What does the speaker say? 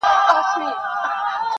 نه خبره نه کیسه ترې هېرېدله-